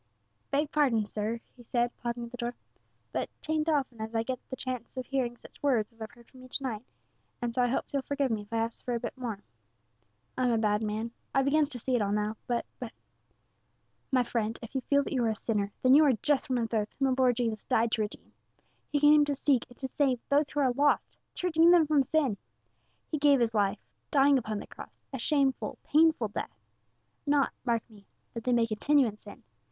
"Beg pardon, sir," he said, pausing at the door, "but 'tain't often as I gets the chance of hearing such words as I've heard from you to night, and so I hopes you'll forgive me if I asks for a bit more. I'm a bad man. I begins to see it all now; but but " "My friend, if you feel that you are a sinner, then you are just one of those whom the Lord Jesus died to redeem. He came to seek and to save those who are lost to redeem them from sin. He gave His life dying upon the cross, a shameful, painful death not, mark me, that they may continue in sin.